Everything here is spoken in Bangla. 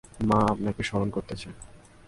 মা আপনাকে স্মরন করতেছে।